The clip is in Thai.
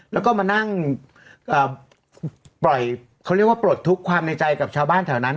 แล้วก็มานั่งปล่อยเขาเรียกว่าปลดทุกข์ความในใจกับชาวบ้านแถวนั้น